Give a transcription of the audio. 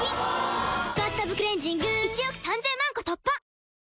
「バスタブクレンジング」１億３０００万個突破！